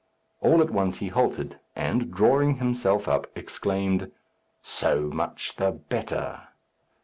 All at once he halted, and drawing himself up, exclaimed, "So much the better!"